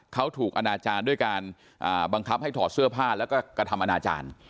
เขาถูกอนาจารย์ด้วยการบังคับให้ถอดเสื้อผ้าแล้วก็กระทำอนาจารย์